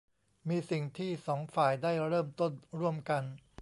มีสิ่งที่สองฝ่ายได้เริ่มต้นร่วมกัน